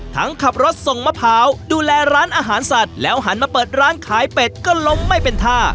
ขับรถส่งมะพร้าวดูแลร้านอาหารสัตว์แล้วหันมาเปิดร้านขายเป็ดก็ล้มไม่เป็นท่า